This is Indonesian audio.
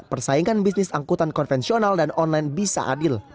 persaingan bisnis angkutan konvensional dan online bisa adil